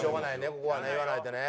ここはね言わないとね。